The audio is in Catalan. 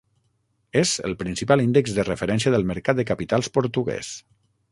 És el principal índex de referència del mercat de capitals portuguès.